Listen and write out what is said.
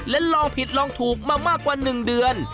และลองผิดลองถูกมามากกว่า๑เดือน